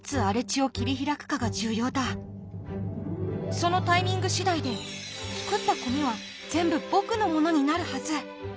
そのタイミング次第で作った米は全部僕のものになるはず。